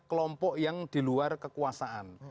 kelompok yang di luar kekuasaan